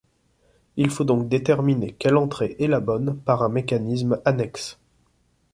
Il faut donc déterminer quelle entrée est la bonne par un mécanisme annexe.